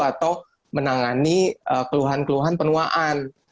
atau menangani keluhan keluhan penuaan